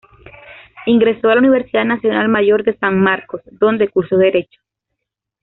Ingresó a la Universidad Nacional Mayor de San Marcos, donde cursó Derecho.